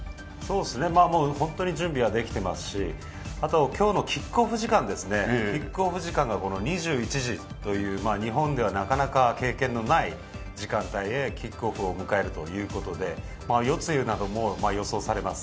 もう本当に準備はできてますしあとは、今日のキックオフ時間が２１時という日本ではなかなか経験のない時間帯にキックオフを迎えるということで夜露なども予想されます。